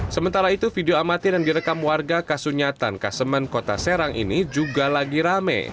sementara itu video amatir yang direkam warga kasunyatan kasemen kota serang ini juga lagi rame